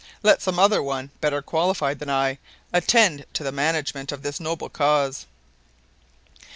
Let some other one, better qualified than I, attend to the management of this noble cause."